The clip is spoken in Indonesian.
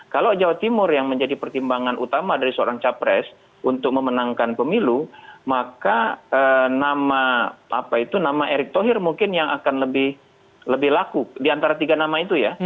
kalau jawa timur yang menjadi pertimbangan utama dari seorang capres untuk memenangkan pemilu maka nama erik thohir mungkin yang akan lebih laku di antara tiga nama itu ya